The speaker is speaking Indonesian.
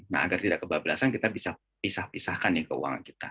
nah agar tidak kebablasan kita bisa pisah pisahkan nih keuangan kita